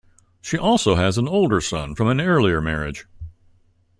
She also has an older son from an earlier marriage.